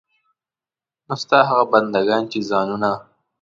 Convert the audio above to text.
نو ستا هغه بندګان چې ځانونه.